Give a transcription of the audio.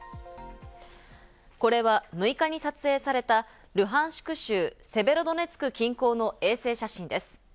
これは、６日に撮影されたルハンシク州セベロドネツク近郊の衛星写真です。